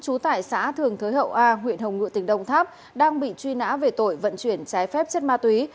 chú tải xã thường thới hậu a huyện hồng ngựa tỉnh đồng tháp đang bị truy nã về tội vận chuyển trái phép chất ma túy